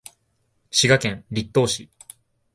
滋賀県栗東市